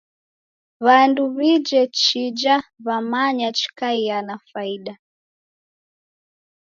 W'andu w'ije chija w'amanya chikaiaa na faida.